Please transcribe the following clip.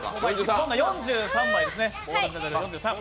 今度は４３枚ですね。